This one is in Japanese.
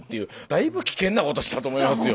だいぶ危険なことしたと思いますよ。